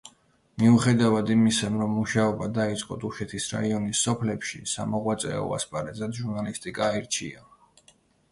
მიუხედავად იმისა, რომ მუშაობა დაიწყო დუშეთის რაიონის სოფლებში, სამოღვაწეო ასპარეზად ჟურნალისტიკა აირჩია.